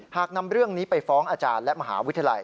หากนำเรื่องนี้ไปฟ้องอาจารย์และมหาวิทยาลัย